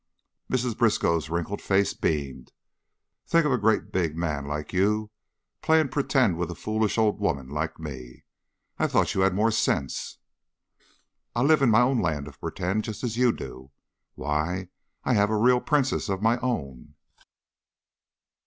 Mrs. Briskow's wrinkled face beamed. "Think of a gre't big man like you playin' 'pretend' with a foolish old woman like me! I thought you had more sense." "I live in my own land of 'pretend,' just as you do. Why, I have a real princess of my own."